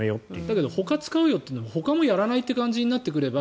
だけどほか、使うよというのもほかもやらないよとなってくれば